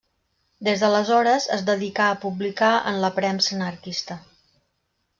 Des d'aleshores, es dedicà a publicar en la premsa anarquista.